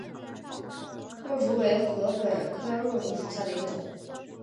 箬竹为禾本科箬竹属下的一个种。